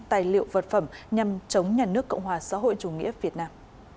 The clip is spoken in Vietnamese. tài liệu vật phẩm nhằm chống nhà nước cộng hòa xã hội chủ nghĩa việt nam